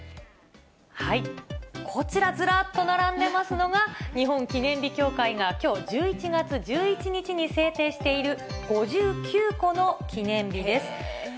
こちら、ずらーっと並んでますのが、日本記念日協会がきょう１１月１１日に制定している５９個の記念日です。